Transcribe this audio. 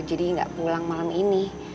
jadi gak pulang malam ini